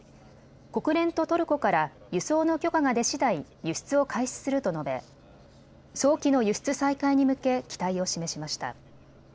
国連とトルコから輸送の許可が出しだい輸出を開始すると述べ早期の輸出再開に向け期待を示しました。